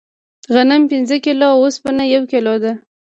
غنم پنځه کیلو او اوسپنه یو کیلو ده.